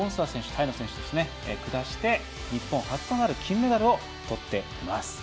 タイの選手を下して、日本初となる金メダルをとっています。